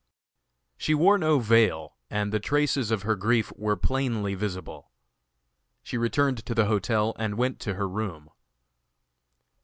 She wore no veil and the traces of her grief were plainly visible. She returned to the hotel and went to her room.